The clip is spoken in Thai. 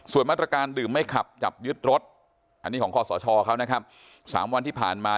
ส่วนมาตรการดื่มไม่ขับจับยึดรถอันนี้ของข้อสชเขานะครับ๓วันที่ผ่านมา